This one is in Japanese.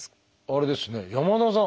あれですね山田さん